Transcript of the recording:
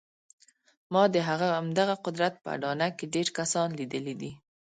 ما د همدغه قدرت په اډانه کې ډېر کسان لیدلي دي